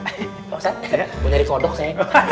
ustazah gue nyari kodok saya